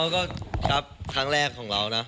ก็ครับครั้งแรกของเรานะ